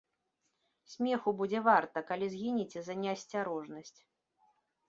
Смеху будзе варта, калі згінеце за неасцярожнасць.